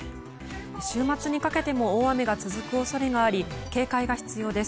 週末にかけても大雨が続く恐れがあり警戒が必要です。